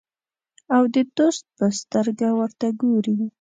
او د دوست په سترګه ورته ګوري.